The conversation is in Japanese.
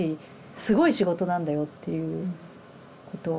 すごい仕事なんだよっていうことを。